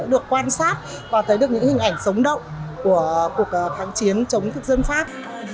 được quan sát và thấy được những hình ảnh sống động của cuộc tháng chiến chống dân pháp